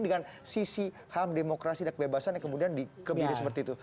dengan sisi ham demokrasi dan kebebasan yang kemudian dikebiri seperti itu